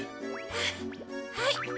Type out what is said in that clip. はい。